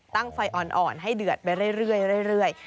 ตั้งไฟอ่อนให้เดือดไปเรื่อย